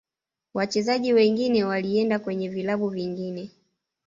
wachezaji wengine walienda kwenye vilabu vingine